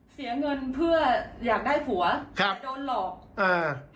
เสียเงินเพื่ออยากได้ผัวครับโดนหลอกอ่า